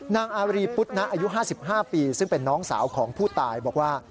นางอารีปุ๊ตนะอายุห้าสิบห้าปีซึ่งเป็นน้องสาวของผู้ตายบอกว่า